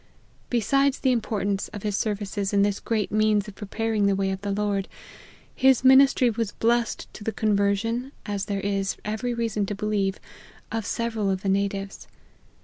Besides the importance of his ser vices in this great means of preparing the way of the Lord, his ministry was blessed to the conver sion, as there is every reason to believe, of several of the natives.